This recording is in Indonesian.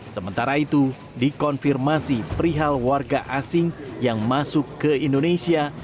sementara itu dikonfirmasi perihal warga asing yang masuk ke indonesia